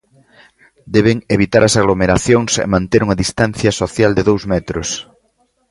Deben evitar as aglomeracións e manter unha distancia social de dous metros.